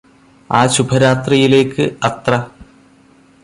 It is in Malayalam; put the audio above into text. ആ ശുഭരാത്രിയിലേയ്ക് അത്ര